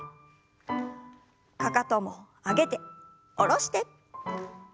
かかとも上げて下ろして。